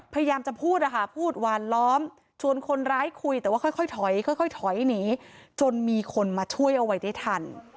พยายามจะพูดเพื่อพูดวานล้อมชวนคนร้ายคุยแต่ว่าค่อยถอยจนมีคนมาช่วยเอาไว้ได้ทัน